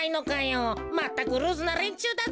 まったくルーズなれんちゅうだぜ。